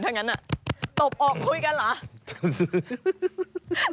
ถ้างั้นตบอกคุยกันเหรอ